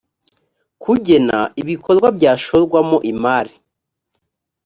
kugena ibikorwa byashorwamo imari